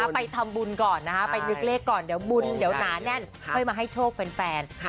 ไปทำบุญก่อนนะคะไปนึกเลขก่อนเดี๋ยวบุญเดี๋ยวหนาแน่นค่อยมาให้โชคแฟน